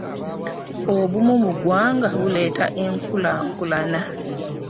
Obumu mu ggwanga buleeta enkulaakulana.